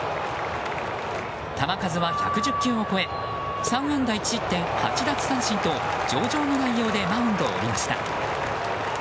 球数は１１０球を超え３安打１失点８奪三振と上々の内容でマウンドを降りました。